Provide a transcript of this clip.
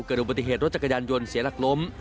อุบัติเหตุรถจักรยานยนต์เสียหลักล้ม